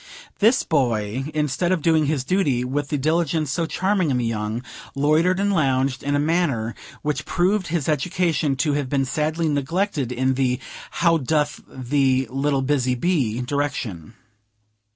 This Boy, instead of doing his duty with the diligence so charming in the young, loitered and lounged, in a manner which proved his education to have been sadly neglected in the "How doth the little busy bee," direction.